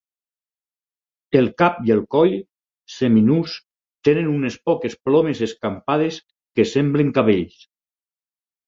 El cap i el coll seminus tenen unes poques plomes escampades que semblem cabells.